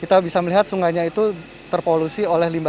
kita bisa melihat sungainya itu terpolusi oleh limbah